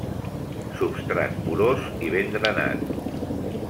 Substrat porós i ben drenat.